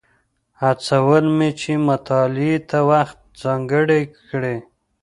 هڅول مې چې مطالعې ته وخت ځانګړی کړي.